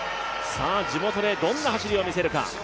地元でどんな走りを見せるか。